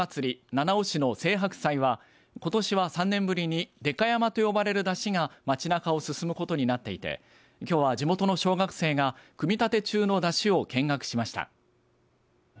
七尾市の青柏祭はことしは３年ぶりにでか山と呼ばれる山車が町なかを進むことになっていてきょうは地元の小学生が組み立て中の山車を見学しました。